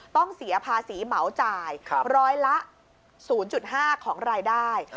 ต้องเสียภาษีเหมาจ่ายร้อยละ๐๕ของรายได้